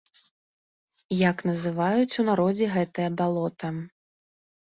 Як называюць у народзе гэтае балота?